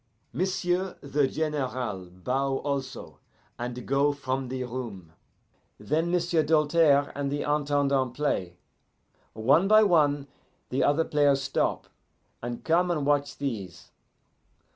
M'sieu' the General bow also, and go from the room. Then M'sieu' Doltaire and the Intendant play. One by one the other players stop, and come and watch these.